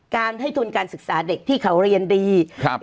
การให้ทุนการศึกษาเด็กที่เขาเรียนดีครับ